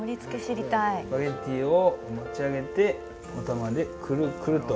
スパゲッティを持ち上げておたまでくるくると。